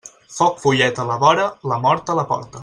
Foc follet a la vora, la mort a la porta.